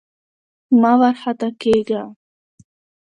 مه وارخطا کېږه!